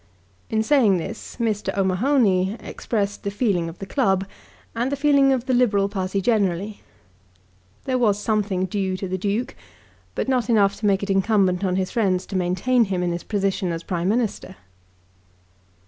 In saying this Mr. O'Mahony expressed the feeling of the club, and the feeling of the Liberal party generally. There was something due to the Duke, but not enough to make it incumbent on his friends to maintain him in his position as Prime Minister.